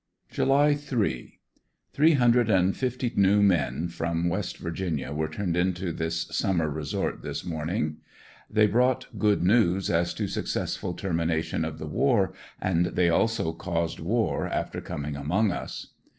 July 3. — Three hundred and fifty new men from West Virginia were turned into this summer resort this morning. They brought good news as to successful termination of the war, and they also caused war after coming among us.